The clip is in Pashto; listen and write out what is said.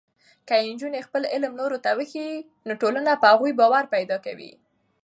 که نجونې خپل علم نورو ته وښيي، نو ټولنه په هغوی باور پیدا کوي.